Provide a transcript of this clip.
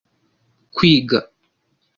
kwiga